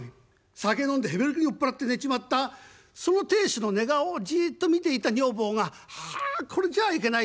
酒飲んでへべれけに酔っ払って寝ちまったその亭主の寝顔をじっと見ていた女房があこれじゃいけない。